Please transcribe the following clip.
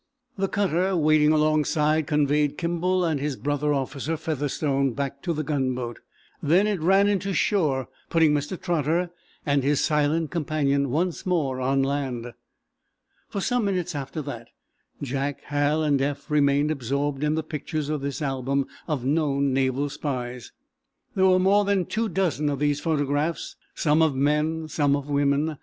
The cutter waiting alongside conveyed Kimball and his brother officer, Featherstone, back to the gunboat. Then it ran into shore; putting Mr. Trotter and his silent companion once more on land. For some minutes after that Jack, Hal and Eph remained absorbed in the pictures in this album of known naval spies. There were more than two dozen of these photographs, some of men, some of women.